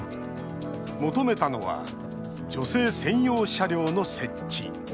求めたのは女性専用車両の設置。